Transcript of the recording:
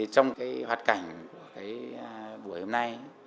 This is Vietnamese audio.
trong cái hoạt cảnh của cái buổi hôm nay